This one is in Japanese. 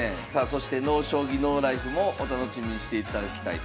そして「ＮＯ将棋ＮＯＬＩＦＥ」もお楽しみにしていただきたい。